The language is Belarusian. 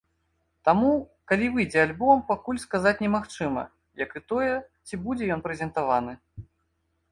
Таму, калі выйдзе альбом, пакуль сказаць немагчыма, як і тое, ці будзе ён прэзентаваны.